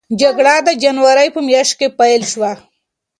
جګړه د جنورۍ په میاشت کې پیل شوه.